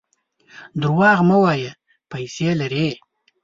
درواغ مه وایه ! پیسې لرې.